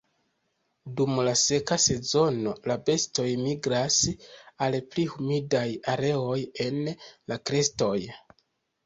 Dum la seka sezono la bestoj migras al pli humidaj areoj en la krestoj.